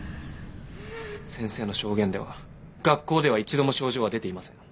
先生の証言では学校では一度も症状は出ていません。